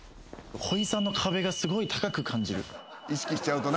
ほいさんの壁がすごい高く感じる。